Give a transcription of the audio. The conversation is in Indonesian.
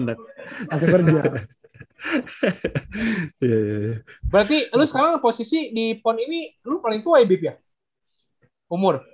berarti lu sekarang posisi di pon ini lu paling tua ya bip ya umur